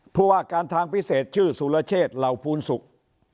ผู้ว่าการทางพิเศษชื่อสุรเชษเหล่าภูลศุกร์